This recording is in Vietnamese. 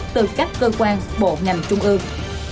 từ các cơ quan bộ ngành trung ương